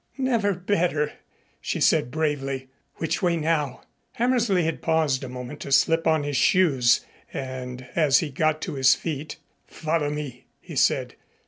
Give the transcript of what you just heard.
"Never better," she said bravely. "Which way now?" Hammersley had paused a moment to slip on his shoes, and as he got to his feet, "Follow me," he said.